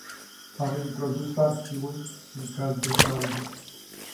Am introdus sancțiuni, în caz de fraudă.